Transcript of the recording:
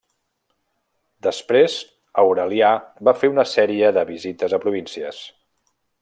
Després Aurelià va fer una sèrie de visites a províncies.